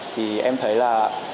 thì em thấy là